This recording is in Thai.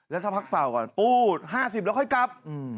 แล้วเขาพักเป่ากด๕๐ค่อยกลับ